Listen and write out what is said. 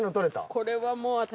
これはもう私。